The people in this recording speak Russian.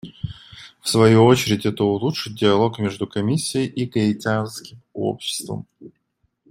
В свою очередь, это улучшит диалог между Комиссией и гаитянским обществом.